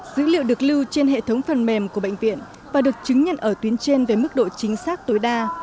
dữ liệu được lưu trên hệ thống phần mềm của bệnh viện và được chứng nhận ở tuyến trên về mức độ chính xác tối đa